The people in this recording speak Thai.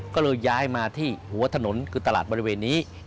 ก็เลยย้ายมาที่หัวถนนคือตลาดบริเวณนี้